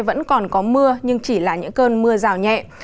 vẫn còn có mưa nhưng chỉ là những cơn mưa rào nhẹ